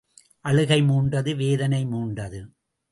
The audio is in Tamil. அழுகை மூண்டது வேதனை மூண்டது.